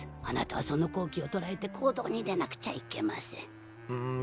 あなたはその好機を捉えて行動に出なくちゃいけません。